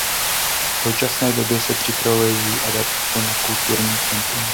V současné době se připravuje její adaptace na kulturní centrum.